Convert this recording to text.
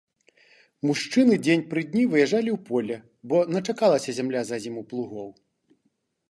Мужчыны дзень пры дні выязджалі ў поле, бо начакалася зямля за зіму плугоў.